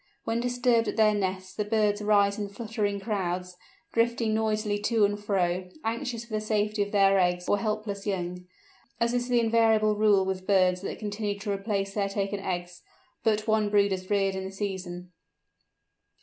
When disturbed at their nests the birds rise in fluttering crowds, drifting noisily to and fro, anxious for the safety of their eggs or helpless young. As is the invariable rule with birds that continue to replace their taken eggs, but one brood is reared in the season.